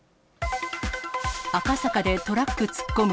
赤坂でトラック突っ込む。